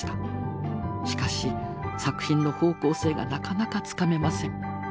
しかし作品の方向性がなかなかつかめません。